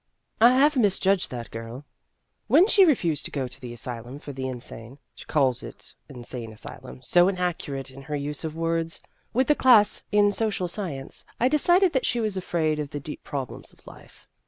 I have misjudged that girl. When she refused to go to the asylum for the insane (she calls it insane asylum so inaccurate in her use of words !) with the class in so cial science, I decided that she was afraid of the deep problems of life.